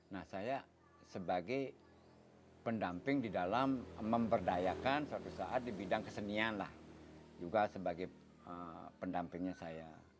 nah saya sebagai pendamping di dalam memberdayakan suatu saat di bidang kesenian lah juga sebagai pendampingnya saya